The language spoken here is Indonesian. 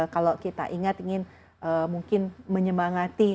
kalau kita ingat ingin mungkin menyemangati